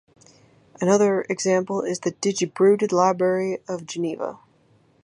Another example is the digibruted library of Geneva.